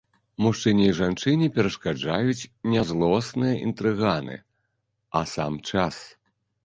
Мужчыне й жанчыне перашкаджаюць не злосныя інтрыганы, а сам час.